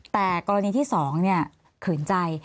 แต่กรณีที่๒ขืนใจ